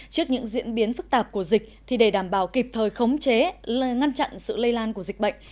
trước những diễn biến phức tạp của dịch để đảm bảo kịp thời khống chế ngăn chặn sự lây lan của dịch bệnh